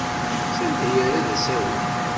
S anda yerra d asawen.